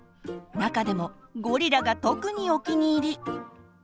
中でもゴリラが特にお気に入り。